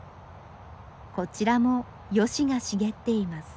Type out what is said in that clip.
こちらもヨシが茂っています。